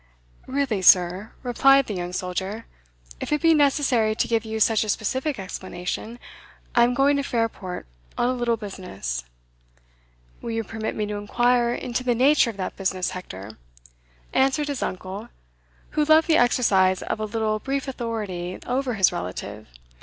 "Really, sir," replied the young soldier, "if it be necessary to give you such a specific explanation, I am going to Fairport on a little business." "Will you permit me to inquire into the nature of that business, Hector?" answered his uncle, who loved the exercise of a little brief authority over his relative.